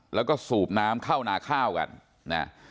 แล้วก็สูบน้ำเข้านาข้าวกันนะ